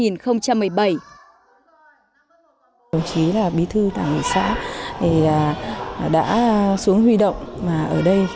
đồng chí là bí thư tàu người xã đã xuống huy động ở đây